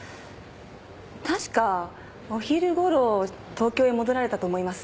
確かお昼頃東京へ戻られたと思います。